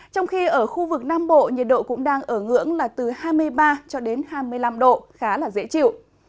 trong khi ở khu vực nam bộ nhiệt độ cũng đang ở ngưỡng là từ hai mươi ba hai mươi năm độ khá dễ chịu